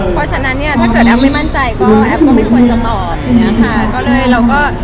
เพราะฉะนั้นเนี่ยถ้าเกิดแอฟไม่มั่นใจก็แอฟก็ไม่ควรจะตอบอย่างนี้ค่ะ